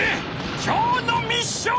今日のミッション！